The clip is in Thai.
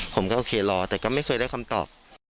ผมก็โอเครอแต่ก็ไม่เคยได้คำตอบ